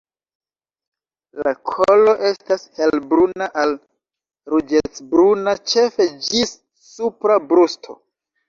La kolo estas helbruna al ruĝecbruna ĉefe ĝis supra brusto.